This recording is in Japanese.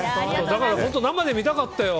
だから本当、生で見たかったよ。